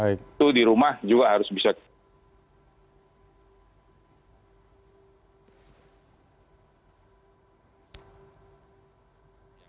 itu di rumah juga harus bisa